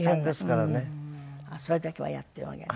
それだけはやっておあげに。